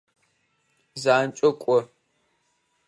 Занкӏэу кӏо!